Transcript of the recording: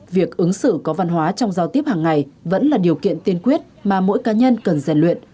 việc ứng xử có văn hóa trong giao tiếp hàng ngày vẫn là điều kiện tiên quyết mà mỗi cá nhân cần rèn luyện